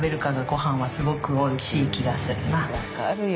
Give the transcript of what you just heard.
分かるよ。